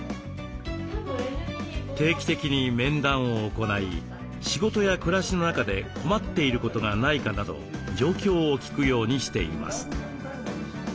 定期的に面談を行い仕事や暮らしの中で困っていることがないかなど状況を聞くようにしています。